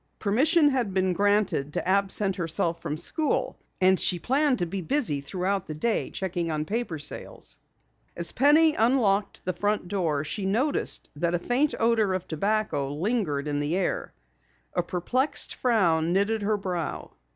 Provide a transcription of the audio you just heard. Permission had been granted to absent herself from school, and she planned to be busy throughout the day, checking on paper sales. As Penny unlocked the front door, she noticed that a faint odor of tobacco lingered in the air. A perplexed frown knitted her brow.